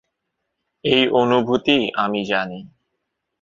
এই অনুভূতি আমি জানি।